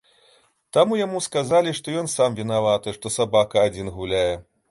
Там яму сказалі, што ён сам вінаваты, што сабака адзін гуляе.